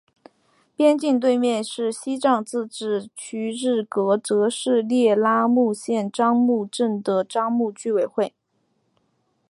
边境对面是西藏自治区日喀则市聂拉木县樟木镇的樟木居委会。